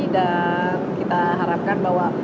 dan kita harapkan bahwa